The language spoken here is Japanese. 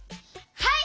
はい！